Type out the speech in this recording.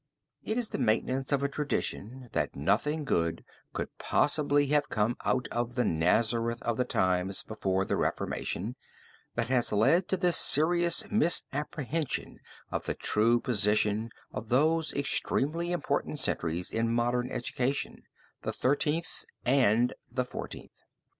It is the maintenance of a tradition that nothing good could possibly have come out of the Nazareth of the times before the Reformation, that has led to this serious misapprehension of the true position of those extremely important centuries in modern education the Thirteenth and the Fourteenth.